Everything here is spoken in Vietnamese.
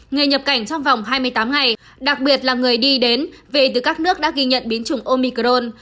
người nhập cảnh trong vòng hai mươi tám ngày đặc biệt là người đi đến về từ các nước đã ghi nhận biến chủng omicron